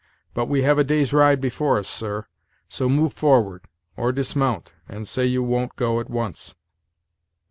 But we have a day's ride before us, sir; so move forward, or dismount, and say you won't go at once."